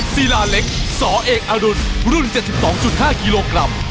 ศิลาเล็กสเอกอรุณรุ่น๗๒๕กิโลกรัม